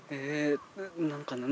え何か。